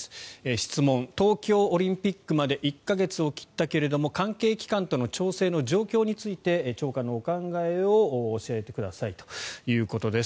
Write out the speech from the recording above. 質問、東京オリンピックまで１か月を切ったけれども関係機関との調整の状況について長官のお考えを教えてくださいということです。